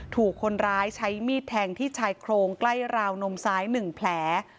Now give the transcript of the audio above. ถูกคนร้ายใช้มีดแทงที่ชายโครงใกล้ราวนมซ้าย๑แผล